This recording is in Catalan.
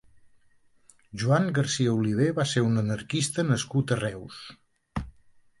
Joan Garcia Oliver va ser un anarquista nascut a Reus.